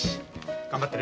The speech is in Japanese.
頑張ってね。